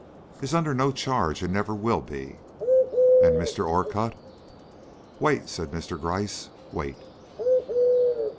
"Is under no charge, and never will be." "And Mr. Orcutt?" "Wait," said Mr. Gryce "wait."